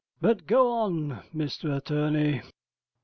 But go on, Mr Attorney.